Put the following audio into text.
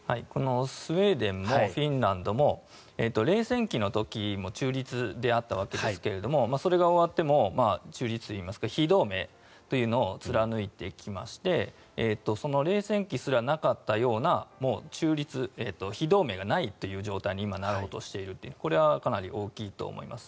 スウェーデンもフィンランドも冷戦期の時も中立であったわけですけどもそれが終わっても中立といいますか非同盟というのを貫いてきましてその冷戦期すらなかったような中立、非同盟がないという状態に今、なろうとしているこれはかなり大きいと思います。